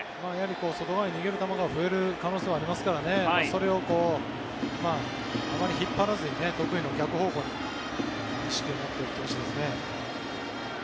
外側に逃げる球が増える可能性はありますからそれをあまり引っ張らずに得意の逆方向に意識を持っていってほしいですね。